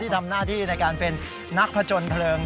ทำหน้าที่ในการเป็นนักผจญเพลิง